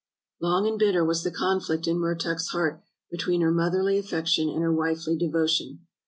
Long and bitter was the conflict in Mertuk's heart between her motherly affection and her wifely devotion.